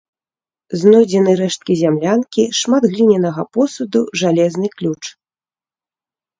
Знойдзены рэшткі зямлянкі, шмат глінянага посуду, жалезны ключ.